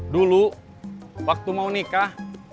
dulu waktu mau nikah